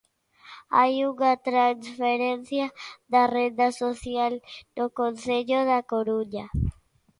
Hai unha transferencia da renda social no Concello da Coruña.